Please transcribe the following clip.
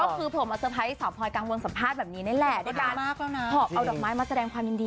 ก็คือโผล่มาเซอร์ไพรส์สาวพลอยกลางวงสัมภาษณ์แบบนี้แน่แหละได้การเอาดอกไม้มาแสดงความยินดี